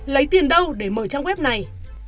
có tiền đâu để mở trang web này